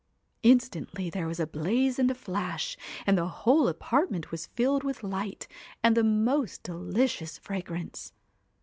Instantly there was a blaze and a flash, and the whole apartment was filled with light and the most delicious fragrance.